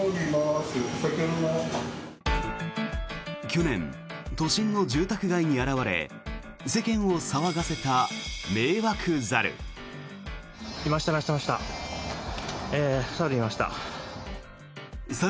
去年、都心の住宅街に現れ世間を騒がせた迷惑猿。